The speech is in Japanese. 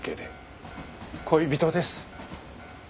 恋人です。